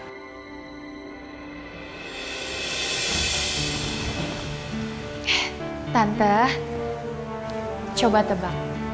sekarang ini kan kalung jimatnya sama kamu